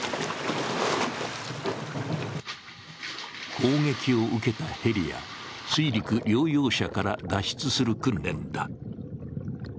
攻撃を受けたヘリや水陸両用車から脱出する訓練だ。